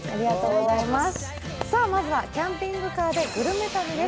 まずはキャンピングカーでグルメ旅です。